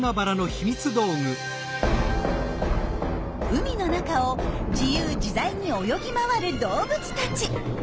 海の中を自由自在に泳ぎ回る動物たち。